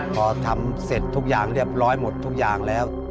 พอทำเสร็จทุกอย่างเรียบร้อยหมดทุกอย่างแล้ว